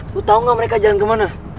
lo tau gak mereka jalan kemana